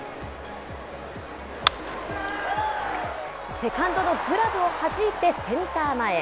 セカンドのグラブをはじいてセンター前へ。